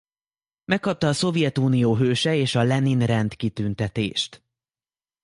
Megkapta a Szovjetunió Hőse és a Lenin-rend kitüntetést.